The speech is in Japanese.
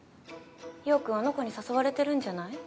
陽君あの子に誘われてるんじゃない？